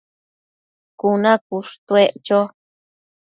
cuna cushtuec cho